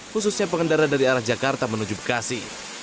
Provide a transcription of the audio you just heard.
khususnya pengendara dari arah jakarta menuju bekasi